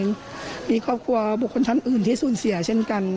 มีครอบครัวบุคคลท่านอื่นที่สูญเสียเช่นกัน